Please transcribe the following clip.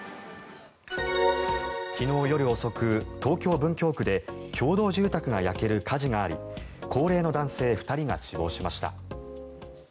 昨日夜遅く東京・文京区で共同住宅が焼ける火事があり高齢の男性２人が死亡しました。